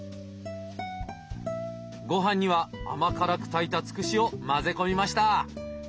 ごはんには甘辛く炊いたツクシを混ぜ込みました。